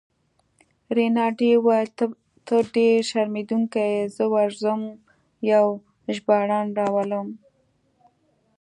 رینالډي وویل: ته ډیر شرمېدونکی يې، زه ورځم یو ژباړن راولم.